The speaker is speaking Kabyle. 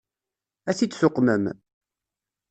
Ad t-id-tuqmem?